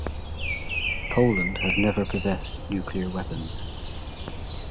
Poland has never possessed nuclear weapons.